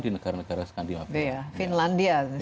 di negara negara skandinavia finlandia